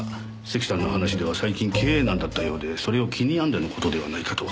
関さんの話では最近経営難だったようでそれを気に病んでの事ではないかと。